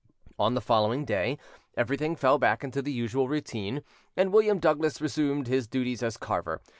On the following day everything fell back into the usual routine, and William Douglas reassumed his duties as carver.